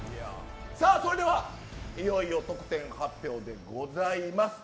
それでは、いよいよ得点発表でございます。